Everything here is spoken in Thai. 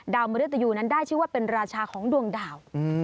มริตยูนั้นได้ชื่อว่าเป็นราชาของดวงดาว